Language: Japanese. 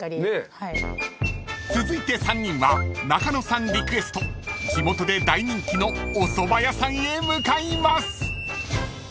［続いて３人は中野さんリクエスト地元で大人気のおそば屋さんへ向かいます］